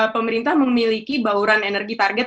pemerintah memiliki bauran energi target